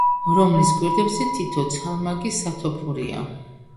რომლის გვერდებზე თითო ცალმაგი სათოფურია.